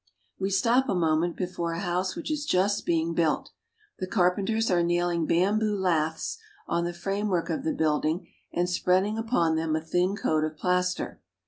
We stop a moment before a house which is just being built. The carpenters are nailing bamboo laths on the framework of the building, and spreading upon them a thin coat of plaster.